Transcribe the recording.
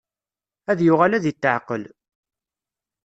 Ad yuɣal ad itεeqqel.